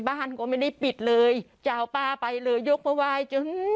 บ้านก็ไม่ได้ปิดเลยจะเอาป้าไปเลยยกมาไหว้จน